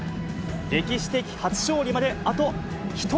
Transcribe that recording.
歴史的初勝利まであと１人。